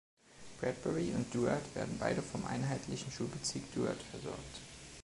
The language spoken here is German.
Bradbury und Duarte werden beide vom einheitlichen Schulbezirk Duarte versorgt.